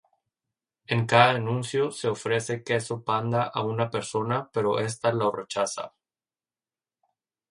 En cada anuncio, se ofrece queso Panda a una persona pero esta lo rechaza.